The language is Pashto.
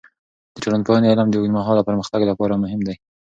د ټولنپوهنې علم د اوږدمهاله پرمختګ لپاره مهم دی.